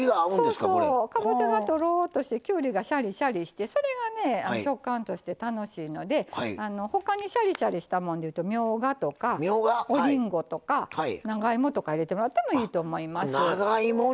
かぼちゃが、とろっとしてきゅうりがシャリシャリしてそれがね、食感として楽しいので他にシャリシャリしたものでいうと、みょうがとかおりんごとか、長芋とか入れてもらってもいいと思います。